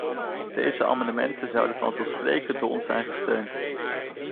Deze amendementen zouden vanzelfsprekend door ons zijn gesteund.